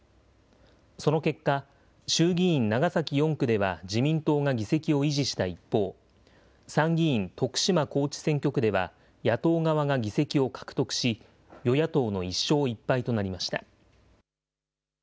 その結果、衆議院長崎４区では自民党が議席を維持した一方、参議院徳島高知選挙区では、野党側が議席を獲得し、与野党の１勝１敗となりました。